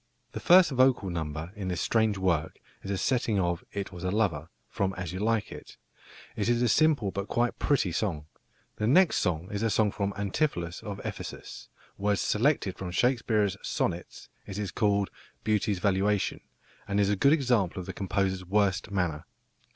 The first vocal number in this strange work is a setting of "It was a lover," from As You Like It. It is a simple but quite pretty song. The next is a song for Antipholus of Ephesus, words selected from Shakespeare's Sonnets; it is called "Beauty's valuation," and is a good example of the composer's worst manner.